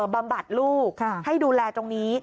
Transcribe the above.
บำบัดลูกให้ดูแลตรงนี้